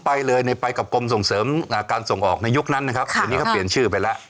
ไปเลยไปกับกรมส่งเสริมการส่งออกในยุคนั้นนะครับเดี๋ยวนี้เขาเปลี่ยนชื่อไปแล้ว